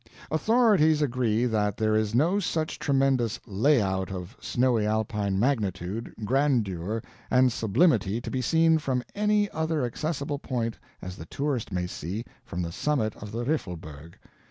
Authorities agree that there is no such tremendous "layout" of snowy Alpine magnitude, grandeur, and sublimity to be seen from any other accessible point as the tourist may see from the summit of the Riffelberg.